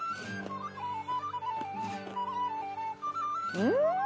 うん！